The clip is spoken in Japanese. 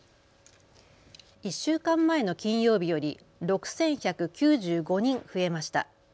１週間前の金曜日より６１９５人増えました。